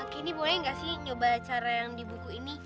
kini boleh nggak sih nyoba cara yang di buku ini